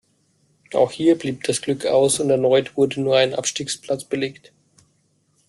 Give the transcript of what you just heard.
Auch hier blieb das Glück aus und erneut wurde nur ein Abstiegsplatz belegt.